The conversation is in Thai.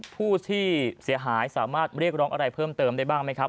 ผู้เสียหายสามารถเรียกร้องอะไรเพิ่มเติมได้บ้างไหมครับ